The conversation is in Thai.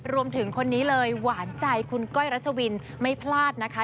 คนนี้เลยหวานใจคุณก้อยรัชวินไม่พลาดนะคะ